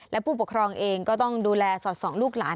และผู้ปกครองเองก็ต้องดูแลสอดส่องลูกหลาน